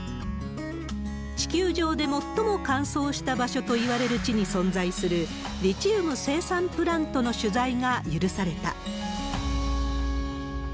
地球上で最も乾燥した場所といわれる地に存在する、リチウム生産プラントの取材が許された。